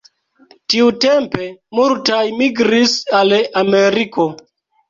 Tiutempe multaj migris al Ameriko.